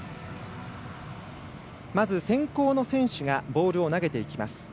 まず先攻の選手がボールを投げていきます。